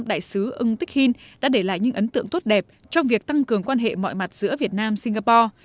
đại sứ ng tích hìn đã để lại những ấn tượng tốt đẹp trong việc tăng cường quan hệ mọi mặt giữa việt nam singapore